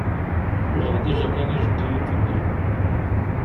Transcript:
Uɣeɣ-d aǧarnan i jeddi iḍelli.